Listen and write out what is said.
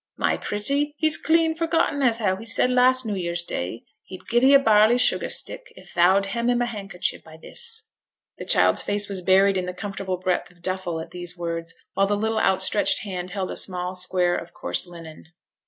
My pretty, he's clean forgotten as how he said last new year's day, he'd gi' thee a barley sugar stick, if thou'd hem him a handkercher by this.' The child's face was buried in the comfortable breadth of duffle at these words, while the little outstretched hand held a small square of coarse linen.